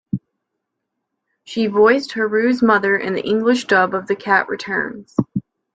She voiced Haru's Mother in the English dub of "The Cat Returns".